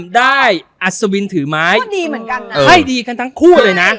ได้อัศวินถือไหมมันก็ไม่ดีค่ะก็คู่เลยนะ